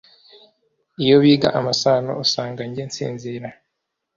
iyo biga amasano usanga jye nsinzira